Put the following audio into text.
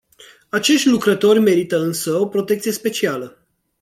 Acești lucrători merită însă o protecție specială.